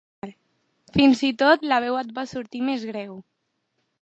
Fins i tot la veu et va sortir més greu.